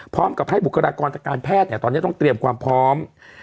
พร้อมกับให้บุคลากรทางการแพทย์ตอนนี้ต้องเตรียมความพร้อม